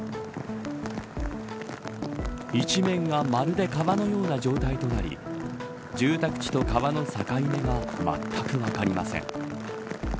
一面がまるで川のような状態となり住宅地と川の境目がまったく分かりません。